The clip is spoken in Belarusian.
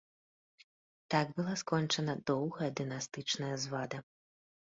Так была скончана доўгая дынастычная звада.